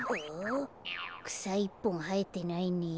くさいっぽんはえてないね。